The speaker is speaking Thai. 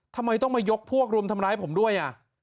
ทำไมต้องมายกพวกรุมทำร้ายผมด้วย